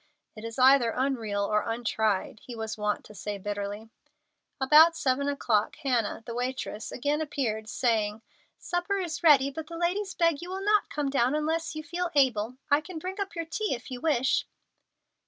"It is either unreal or untried," he was wont to say bitterly. About seven o'clock, Hannah, the waitress, again appeared, saying: "Supper is ready, but the ladies beg you will not come down unless you feel able. I can bring up your tea if you wish."